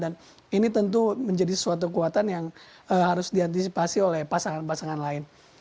dan ini tentu menjadi sesuatu kekuatan yang harus diantisipasi oleh pasangan pasangan lain